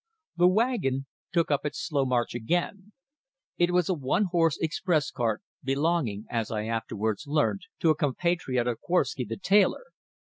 The wagon took up its slow march again. It was a one horse express cart, belonging, as I afterwards learned, to a compatriot of Korwsky the tailor.